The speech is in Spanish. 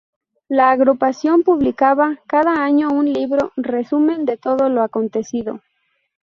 La Agrupación publicaba cada año un libro, resumen de todo lo acontecido.